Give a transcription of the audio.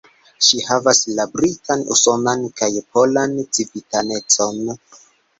Ŝi havas la britan, usonan kaj polan civitanecon.